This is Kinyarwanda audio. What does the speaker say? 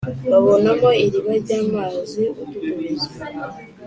babonamo iriba ry amazi adudubiza